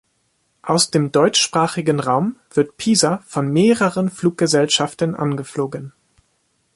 Aus dem deutschsprachigen Raum wird Pisa von mehreren Fluggesellschaften angeflogen.